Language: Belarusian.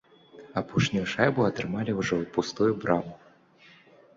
Апошнюю шайбу атрымалі ўжо ў пустую браму.